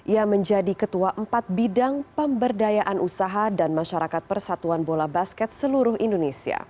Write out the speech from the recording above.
ia menjadi ketua empat bidang pemberdayaan usaha dan masyarakat persatuan bola basket seluruh indonesia